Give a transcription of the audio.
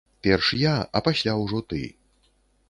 Перш я, а пасля ўжо ты.